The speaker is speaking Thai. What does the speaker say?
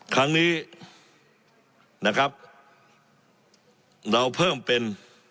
ครั้งนี้นะครับเราเพิ่มเป็น